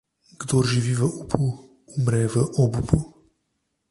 Kdor živi v upu, umre v obupu.